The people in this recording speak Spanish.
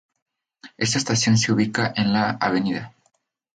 Esta estación se ubica en la "Av.